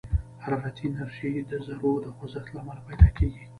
حرارتي انرژي د ذرّو د خوځښت له امله پيدا کېږي.